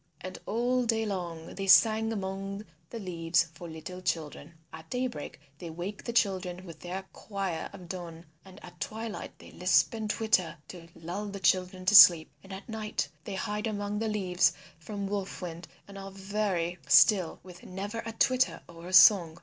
And all day long they sing among the leaves for little children. At day break they wake the children with their choir of dawn, and at twilight they lisp and twitter to lull the children to sleep. And at night they hide among the leaves from Wolf Wind and are very still with never a twitter or a song.